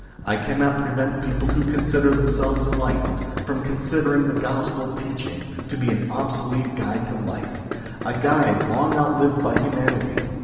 I cannot prevent people who consider them selves enlightened, from considering the gospel teaching to be an obsolete guide to life a guide long outlived by humanity.